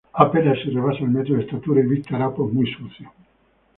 Apenas si rebasa el metro de estatura y viste harapos muy sucios.